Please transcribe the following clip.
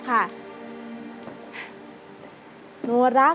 สวัสดีครับ